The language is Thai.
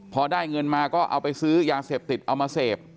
พอได้เงินมาก็เอาไปซื้อยาเสพติดเอามาเสพ